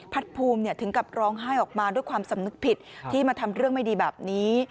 ภูมิถึงกับร้องไห้ออกมาด้วยความสำนึกผิดที่มาทำเรื่องไม่ดีแบบนี้